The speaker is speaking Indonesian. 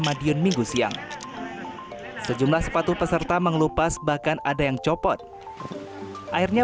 madiun minggu siang sejumlah sepatu peserta mengelupas bahkan ada yang copot airnya